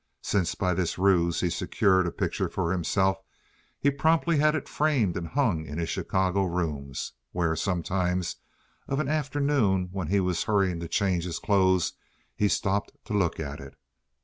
Since by this ruse he secured a picture for himself, he promptly had it framed and hung in his Chicago rooms, where sometimes of an afternoon when he was hurrying to change his clothes he stopped to look at it.